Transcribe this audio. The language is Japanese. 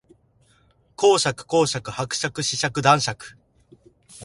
公爵侯爵伯爵子爵男爵